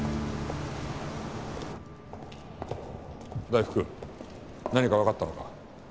大福何かわかったのか？